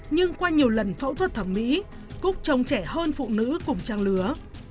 nhưng qua nhiều lần phẫu thuật thẩm mỹ cúc trông trẻ hơn phụ nữ cùng trang lứa